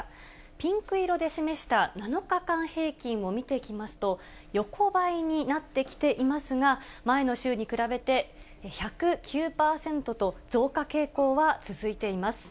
ピンク色で示した７日間平均を見ていきますと、横ばいになってきていますが、前の週に比べて１０９％と、増加傾向は続いています。